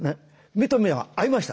目と目は合いました。